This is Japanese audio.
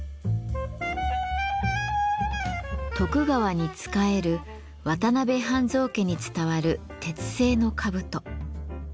徳川に仕える渡辺半蔵家に伝わる鉄製の兜。